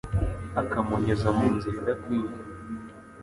akamunyuza mu nzira idakwiye